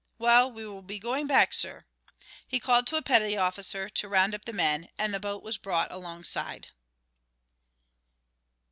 Well, we will be going back, sir." He called to a petty officer to round up the men, and the boat was brought alongside.